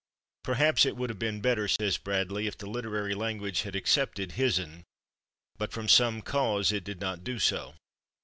"Perhaps it would have been better," says Bradley, "if the literary language had accepted /hisn/, but from some cause it did not do so."